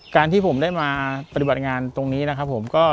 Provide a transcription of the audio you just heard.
การที่ผมได้มาปฏิบัติงานตรงนี้นะครับผมก็